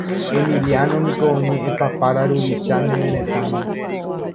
Emiliano niko ñeʼẽpapára ruvicha ñane retãme.